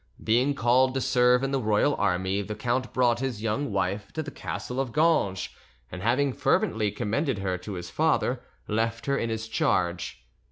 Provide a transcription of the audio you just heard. Being called to serve in the royal army, the count brought his young wife to the castle of Ganges, and, having fervently commended her to his father, left her in his charge.